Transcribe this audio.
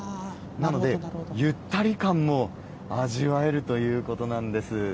なので、ゆったり感も味わえるということなんです。